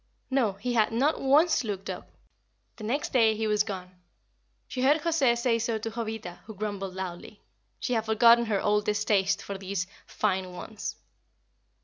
No, he had not once looked up. The next day he was gone. She heard José say so to Jovita, who grumbled loudly. She had forgotten her old distaste for these "fine ones."